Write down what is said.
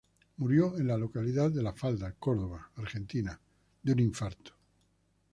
Murió en la localidad de La Falda, Córdoba, Argentina, por un infarto.